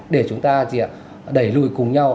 để chúng ta đẩy lùi cùng nhau